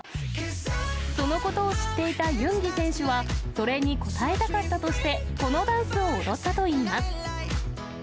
そのことを知っていたユンギ選手は、それに応えたかったとして、このダンスを踊ったといいます。